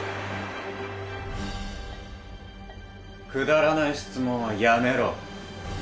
・くだらない質問はやめろ。